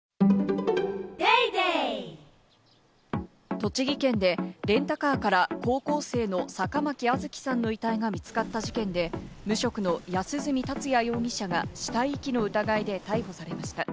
栃木県でレンタカーから高校生の坂巻杏月さんの遺体が見つかった事件で、無職の安栖達也容疑者が死体遺棄の疑いで逮捕されました。